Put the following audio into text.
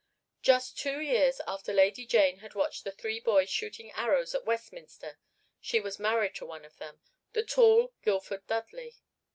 Just two years after Lady Jane had watched the three boys shooting arrows at Westminster she was married to one of them, the tall Guildford Dudley.